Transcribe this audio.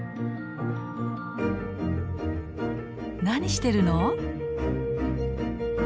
何してるの？